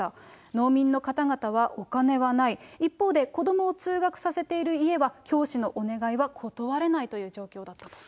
農民の方々はお金はない、一方で、子どもを通学させている家は、教師のお願いは断れないという状況だったと。